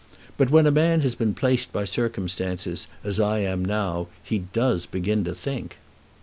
But when a man has been placed by circumstances as I am now, he does begin to think."